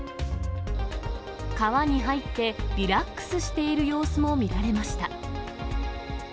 川に入ってリラックスしている様子も見られました。